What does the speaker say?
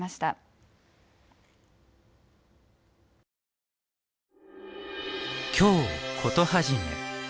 「京コトはじめ」。